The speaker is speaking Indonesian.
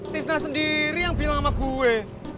tista sendiri yang bilang sama gue